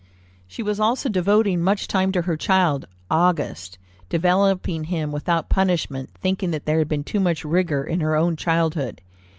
She was also devoting much time to her child, Auguste, developing him without punishment, thinking that there had been too much rigor in her own childhood.